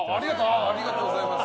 ありがとうございます。